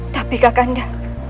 tapi kak kanda